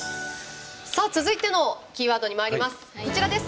さあ続いてのキーワードにまいります。